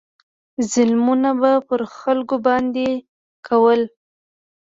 ظلمونه به پر خلکو باندې کول.